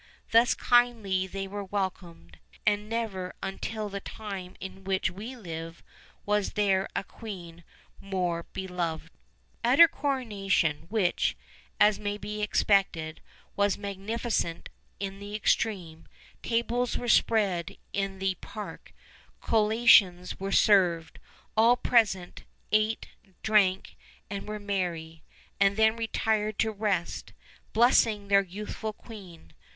Thus kindly were they welcomed; and never until the time in which we live was there a queen, more beloved. 240 OLD, OLD FAIRY TALUS. At her coronation, which, as may be expected, was magnificent in the extreme, tables were spread in the park, collations were served, all present ate, drank, and were merry, and then retired to rest, blessing their youthful queen.